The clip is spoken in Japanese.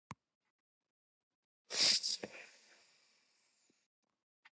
どんくらい書けばいいの